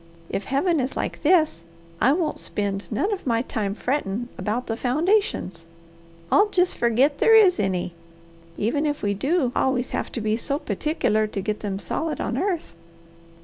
If Heaven is like this, I won't spend none of my time frettin' about the foundations. I'll jest forget there is any, even if we do always have to be so perticler to get them solid on earth.